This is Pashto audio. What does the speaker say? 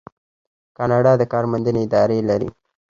کاناډا د کار موندنې ادارې لري.